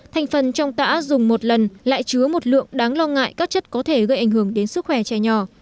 thành phần trong tả dùng một lần lại chứa một lượng đáng lo ngại các chất có thể gây ảnh hưởng đến sức khỏe trẻ nhỏ